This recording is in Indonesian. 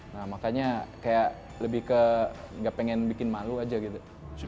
nah makanya kayak lebih ke gak pengen bikin malu aja gitu